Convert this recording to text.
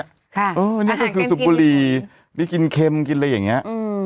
นี่ก็คือสูบบุหรี่นี่กินเค็มกินอะไรอย่างนี้